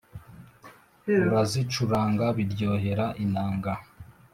Urazicuranga biryohera inanga